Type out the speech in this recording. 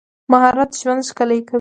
مهارت ژوند ښکلی کوي.